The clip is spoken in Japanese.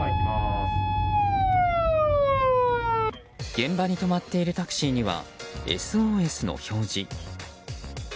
現場に止まっているタクシーには、ＳＯＳの表示。